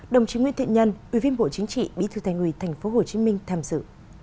đồng chí nguyễn thị nhân ubnd bị thư thành ủy tp hcm tham dự